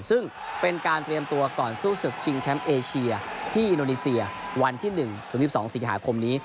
ซึ่งเป็นการเตรียมตัวก่อนสู้ศึกชิงแชมป์เอเชียที่อินโดนีเซียวันที่๑ถึง๑๒สิงหาคมนี้